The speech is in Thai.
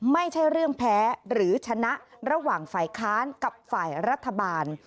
ไม่ใช่เรื่องแพ้หรือชนะระหว่างฝ่ายค้านกับฝ่ายรัฐบาล